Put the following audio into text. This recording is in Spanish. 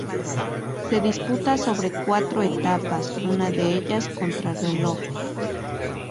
Se disputa sobre cuatro etapas, una de ellas contrarreloj.